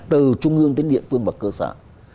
từ trung ương đến địa phương và cơ sở